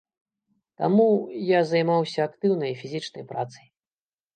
Таму я займаўся актыўнай фізічнай працай.